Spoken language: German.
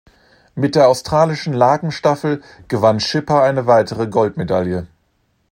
Mit der australischen Lagenstaffel gewann Schipper eine weitere Goldmedaille.